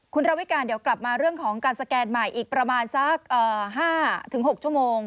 คุณระวิการเดี๋ยวกลับมาเรื่องของการสแกนใหม่อีกประมาณสัก๕๖ชั่วโมง